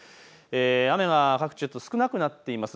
雨が各地、少なくなっています。